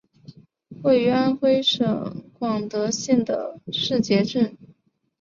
位于安徽省广德县的誓节镇。